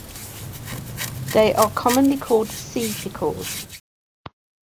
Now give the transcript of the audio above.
They are commonly called sea pickles.